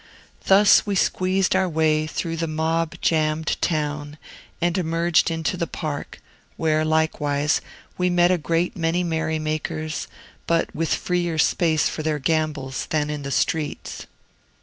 Thus we squeezed our way through the mob jammed town, and emerged into the Park, where, likewise, we met a great many merry makers, but with freer space for their gambols than in the streets.